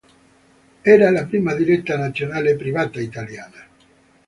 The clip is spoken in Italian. Era la prima diretta nazionale privata italiana.